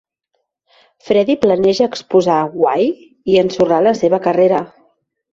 Freddie planeja exposar Guay i ensorrar la seva carrera.